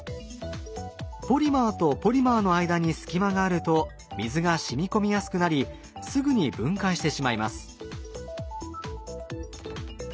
ポリマーとポリマーの間に隙間があると水がしみこみやすくなりすぐに分解してしまいます。